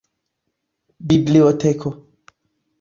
biblioteko